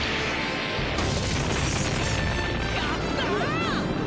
やったー！